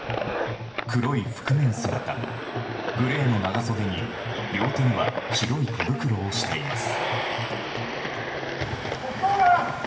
黒い覆面姿、グレーの長袖に両手には白い手袋をしています。